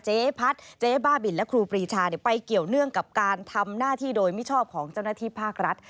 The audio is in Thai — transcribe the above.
เจ๊พัดเจ๊บ้าบินและครูปรีชาไปเกี่ยวเนื่องกับการทำหน้าที่โดยมิชอบของเจ้าหน้าที่ภาครัฐ